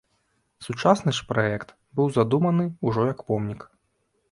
Сучасны ж праект быў задуманы ўжо як помнік.